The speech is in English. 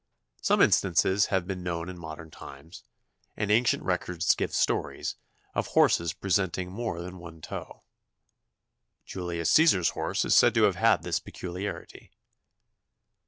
Some instances have been known in modern times, and ancient records give stories, of horses presenting more than one toe. Julius Cæsar's horse is said to have had this peculiarity.